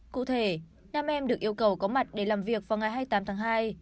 cụ thể nam em được yêu cầu có mặt để làm việc vào ngày hai mươi tám tháng hai